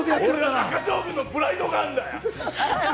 中条軍のプライドがあるんだよ！